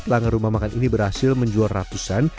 pelanggan rumah makan ini berhasil menjual ratusan